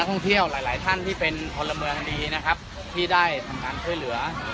ท่องเที่ยวหลายหลายท่านที่เป็นพลเมืองดีนะครับที่ได้ทำการช่วยเหลือ